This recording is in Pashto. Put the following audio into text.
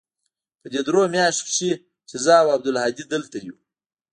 په دې درېو مياشتو کښې چې زه او عبدالهادي دلته يو.